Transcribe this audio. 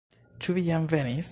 Ĉu vi jam venis?